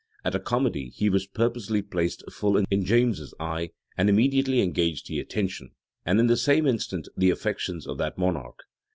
At a comedy, he was purposely placed full in James's eye, and immediately engaged the attention, and, in the same instant, the affections of that monarch.